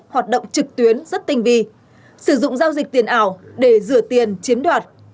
hoạt động trực tuyến rất tinh vi sử dụng giao dịch tiền ảo để rửa tiền chiếm đoạt